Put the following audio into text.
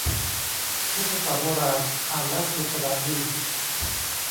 ใช้ภาษาโบราณ อ่านแล้วสนุกสนานดี